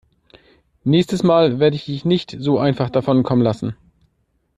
Nächstes Mal werde ich dich nicht so einfach davonkommen lassen.